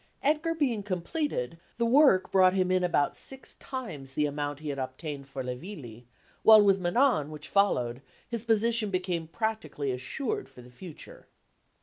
Edgar being completed, the work brought him in about six times the amount he had obtained for Le Villi, while with Manon, which followed, his position became practically assured for the future.